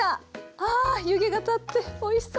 あ湯気が立っておいしそう！